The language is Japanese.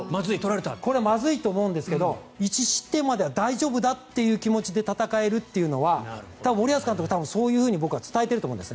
これはまずいと思うんですが１失点までは大丈夫だっていう気持ちで戦えるというのは多分、森保監督はそういうふうに伝えていると思うんです。